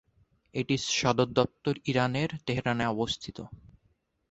এটির সদরদপ্তর ইরানের, তেহরানে অবস্থিত।